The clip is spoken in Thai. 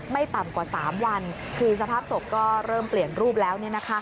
ไม่ต่ำกว่า๓วันคือสภาพศพก็เริ่มเปลี่ยนรูปแล้ว